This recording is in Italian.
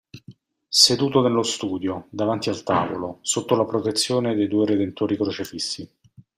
Seduto nello studio, davanti al tavolo, sotto la protezione dei due Redentori crocefissi.